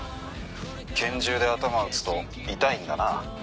拳銃で頭を撃つと痛いんだな。